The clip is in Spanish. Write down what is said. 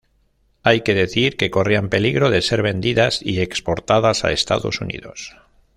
Hay que decir que corrían peligro de ser vendidas y exportadas a Estados Unidos.